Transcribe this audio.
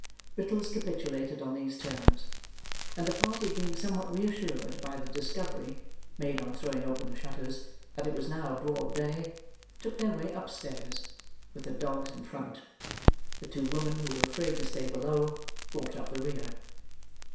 Brittles capitulated on these terms; and the party being somewhat re assured by the discovery (made on throwing open the shutters) that it was now broad day, took their way upstairs; with the dogs in front. The two women, who were afraid to stay below, brought up the rear.